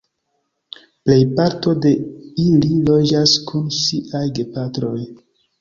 Plejparto de ili loĝas kun siaj gepatroj.